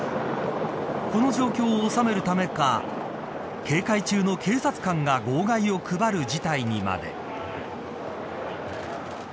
この状況を収めるためか警戒中の警察官が号外を配る事態にまで。